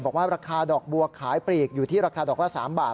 บอกว่าราคาดอกบัวขายปลีกอยู่ที่ราคาดอกละ๓บาท